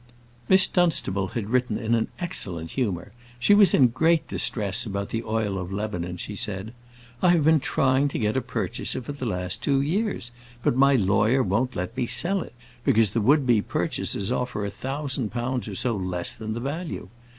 Miss Dunstable had written in an excellent humour. She was in great distress about the oil of Lebanon, she said. "I have been trying to get a purchaser for the last two years; but my lawyer won't let me sell it, because the would be purchasers offer a thousand pounds or so less than the value.